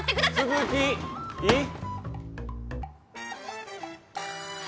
続きいい？